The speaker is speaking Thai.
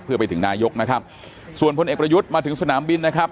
เพื่อไปถึงนายกนะครับส่วนพลเอกประยุทธ์มาถึงสนามบินนะครับ